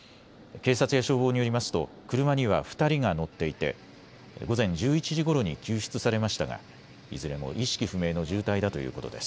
警察や消防によりますと車には２人が乗っていて午前１１時ごろに救出されましたがいずれも意識不明の重体だということです。